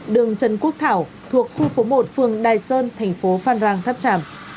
đường trần quốc thảo thuộc khu phố một phường đài sơn thành phố phan rang tháp tràm